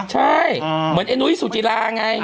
ใช่เหมือนไอ้นุ้ยสุจิลาไง